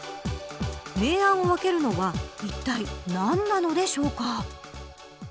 明暗を分けるのはいったい何なのでしょうか。